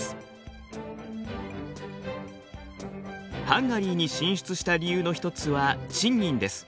ハンガリーに進出した理由の一つは賃金です。